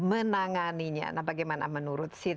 kalau hard itu pendekatan yang lebih penting